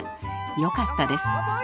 よかったです。